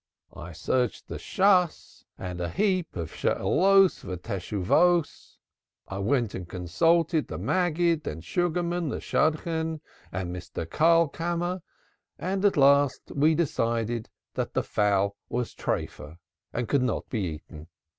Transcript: I searched the Shass and a heap of Shaalotku Tshuvos. I went and consulted the Maggid and Sugarman the Shadchan and Mr. Karlkammer, and at last we decided that the fowl was tripha and could not be eaten.